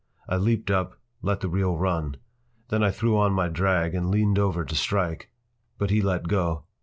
I leaped up, let the reel run. Then I threw on my drag and leaned over to strike. But he let go.